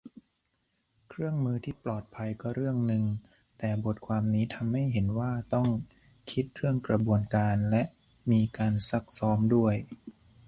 เครื่องมือที่ปลอดภัยก็เรื่องนึง แต่บทความนี้ทำให้เห็นว่าต้องคิดเรื่องกระบวนการและมีการซักซ้อมด้วย